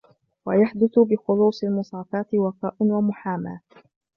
وَيَحْدُثُ بِخُلُوصِ الْمُصَافَاةِ وَفَاءٌ وَمُحَامَاةٌ